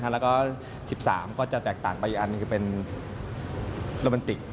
แล้วก็๑๓ก็จะแตกต่างไปอันคือเป็นโรแมนติก